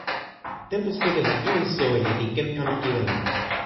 tenpo suli la kiwen soweli li ken kama kiwen ma.